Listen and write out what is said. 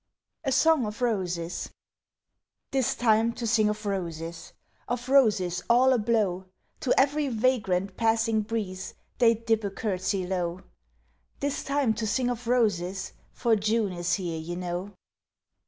A SONG OF ROSES 'Tis time to sing of roses: of roses all ablow, To every vagrant passing breeze they dip a courtesy low, 'Tis time to sing of roses! for June is here, you know.